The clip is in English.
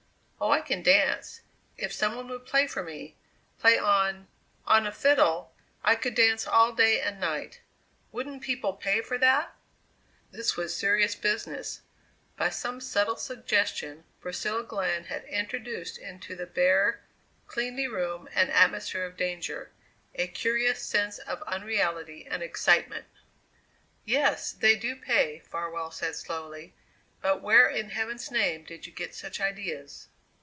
"Oh! I can dance. If some one would play for me play on on a fiddle, I could dance all day and night. Wouldn't people pay for that?" This was serious business. By some subtle suggestion Priscilla Glenn had introduced into the bare, cleanly room an atmosphere of danger, a curious sense of unreality and excitement. "Yes they do pay," Farwell said slowly; "but where in heaven's name did you get such ideas?"